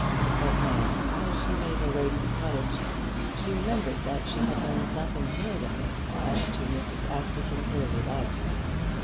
But now, as she made her way to the cottage, she remembered that she had learned nothing more than this as to Mrs. Askerton's early life.